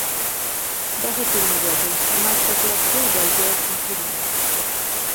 Дагэтуль не ведаю, успрымаць гэта як крыўду альбо як камплімент.